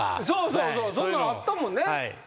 そうそうそんなんあったもんね。